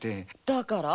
だから？